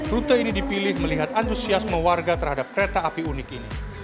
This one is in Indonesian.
rute ini dipilih melihat antusiasme warga terhadap kereta api unik ini